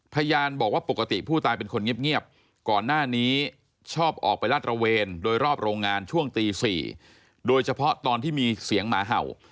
พยานบอกว่าปกติผู้ตายเป็นคนเงียบก่อนหน้านี้ชอบออกไปลาดระเวนโดยรอบโรงงานช่วงตี๔โดยเฉพาะตอนที่มีเสียงหมาเห่า